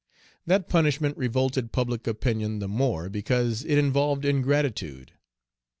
That punishment revolted public opinion the more because it involved ingratitude.